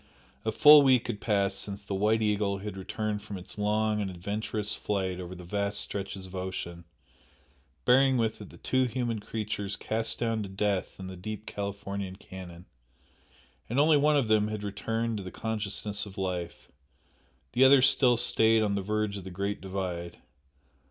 A full week had passed since the "White Eagle" had returned from its long and adventurous flight over the vast stretches of ocean, bearing with it the two human creatures cast down to death in the deep Californian canon, and only one of them had returned to the consciousness of life, the other still stayed on the verge of the "Great Divide."